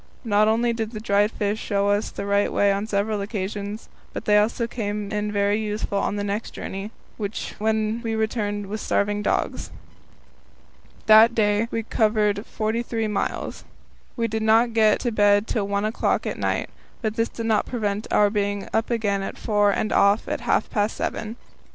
Not only did the dried fish show us the right way on several occasions, but they also came in very useful on the next journey, when we returned with starving dogs. That day we covered forty three miles. We did not get to bed till one o'clock at night, but this did not prevent our being up again at four and off at half past seven.